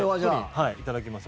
いただきます。